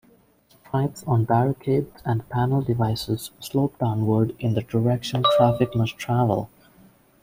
Stripes on barricades and panel devices slope downward in the direction traffic must travel.